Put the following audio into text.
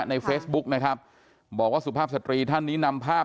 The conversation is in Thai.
ในเฟซบุ๊กนะครับบอกว่าสุภาพสตรีท่านนี้นำภาพ